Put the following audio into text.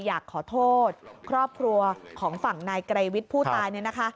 อยากขอโทษครอบครัวของฝั่งนายไกรวิทย์ผู้ตาย